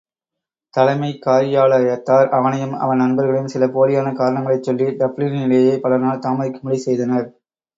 தலைமைக் காரியாலயத்தார் அவனையும் அவன் நண்பர்களையும், சில போலியான காரணங்களைச் சொல்லி, டப்ளினிலேயே பலநாள் தாமதிக்கும்படி செய்தனர்.